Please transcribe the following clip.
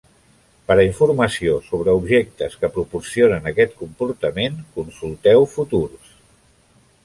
Per a informació sobre objectes que proporcionen aquest comportament, consulteu "futurs".